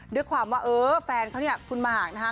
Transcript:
ด้วยความว่าเออแฟนเขาเนี่ยคุณหมากนะคะ